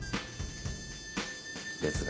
ですが